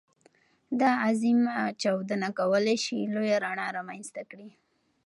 دا عظيم چاودنه کولی شي لویه رڼا رامنځته کړي.